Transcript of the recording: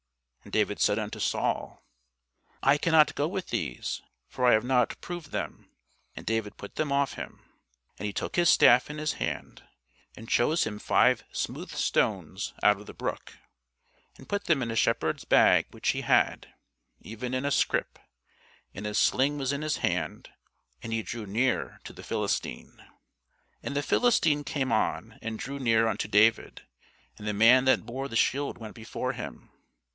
And David said unto Saul, I cannot go with these; for I have not proved them. And David put them off him. And he took his staff in his hand, and chose him five smooth stones out of the brook, and put them in a shepherd's bag which he had, even in a scrip; and his sling was in his hand: and he drew near to the Philistine. And the Philistine came on and drew near unto David; and the man that bore the shield went before him.